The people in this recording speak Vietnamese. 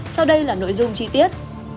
sau đây là nội dung chi tiết